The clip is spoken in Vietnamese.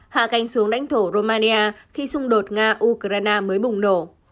hạ canh xuống đánh thổ romania khi xung đột nga ukraine mới bùng nổ